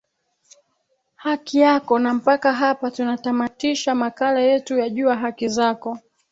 haki yako na mpaka hapa tunatamatisha makala yetu ya jua haki zako